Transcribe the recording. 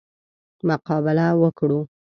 مقابله وکړو.